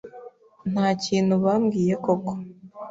Nta kintu bambwiye koko.